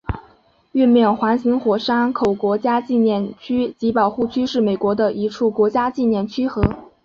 月面环形火山口国家纪念区及保护区是美国的一处国家纪念区和。